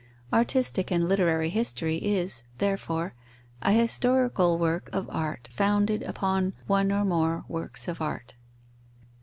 Artistic and literary history is, therefore, a historical work of art founded upon one or more works of art.